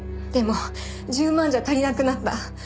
でも１０万じゃ足りなくなった。